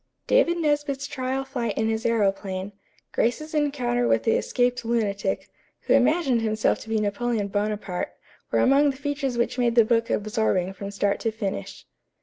David Nesbit's trial flight in his aëroplane, Grace's encounter with the escaped lunatic, who imagined himself to be Napoleon Bonaparte, were among the features which made the book absorbing from start to finish.